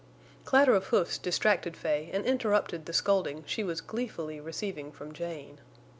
Clatter of hoofs distracted Fay and interrupted the scolding she was gleefully receiving from Jane.